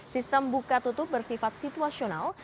sistem buka tutup bersifat situasional